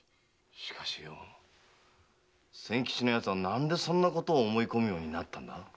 しかし千吉は何でそんなことを思い込むようになったんだ？